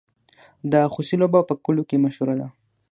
د خوسي لوبه په کلیو کې مشهوره ده.